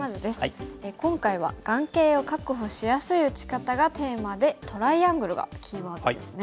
今回は眼形を確保しやすい打ち方がテーマでトライアングルがキーワードですね。